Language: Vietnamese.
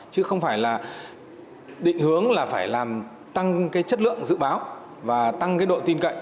chứ không phải là định hướng là phải làm tăng cái chất lượng dự báo và tăng cái độ tin cậy